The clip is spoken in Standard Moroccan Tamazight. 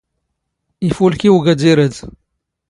ⵉⴼⵓⵍⴽⵉ ⵓⴳⴰⴷⵉⵔ ⴰⴷ.